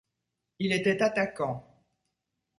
Il était attaquant.